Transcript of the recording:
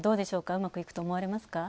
うまくいくと思われますか？